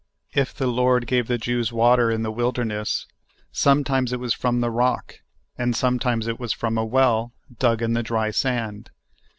If the Lord gave the Jews water in the wilderness, sometimes it was from the rock, and sometimes it was from a well dug in the dry sand.